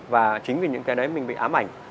và chính vì những cái đấy mình bị ám ảnh